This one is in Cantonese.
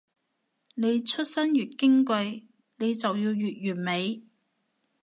你出身越矜貴，你就要越完美